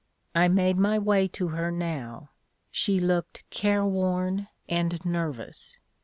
I made my way to her now. She looked careworn and nervous.